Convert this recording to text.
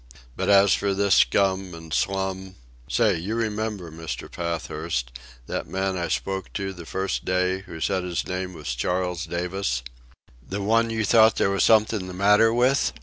But as for this scum and slum—say, you remember, Mr. Pathurst, that man I spoke to the first day, who said his name was Charles Davis?" "The one you thought there was something the matter with?"